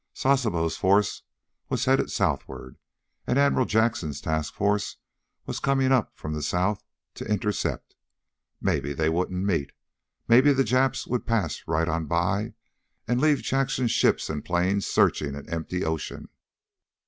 Sasebo's force was headed southward, and Admiral Jackson's task force was coming up from the south to intercept. Maybe they wouldn't meet. Maybe the Japs would pass right on by and leave Jackson's ships and planes searching an empty ocean.